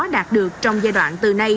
đạt được trong giai đoạn từ nay